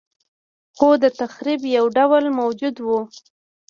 خو د تخریب یو بل ډول موجود و